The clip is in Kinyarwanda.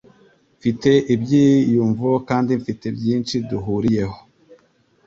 Mfite ibyiyumvo kandi mfite byinshi duhuriyeho.